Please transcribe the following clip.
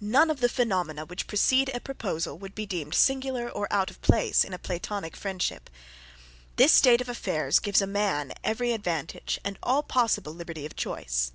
None of the phenomena which precede a proposal would be deemed singular or out of place in a platonic friendship. This state of affairs gives a man every advantage and all possible liberty of choice.